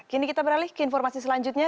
kini kita beralih ke informasi selanjutnya